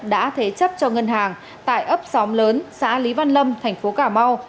đã thế chấp cho ngân hàng tại ấp xóm lớn xã lý văn lâm thành phố cà mau